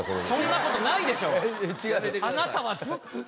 そんなことないでしょ！